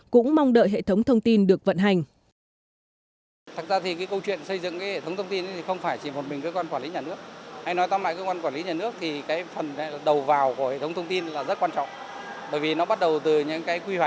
cũng mong đợi hệ thống thông tin được vận hành